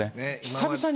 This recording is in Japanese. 久々に。